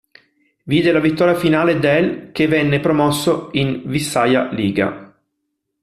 Vide la vittoria finale dell', che venne promosso in Vysšaja Liga.